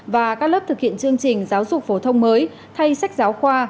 và các lớp thực hiện chương trình giáo dục phổ thông mới thay sách giáo khoa